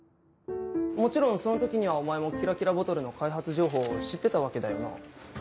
もちろんその時にはお前もキラキラボトルの開発情報を知ってたわけだよな。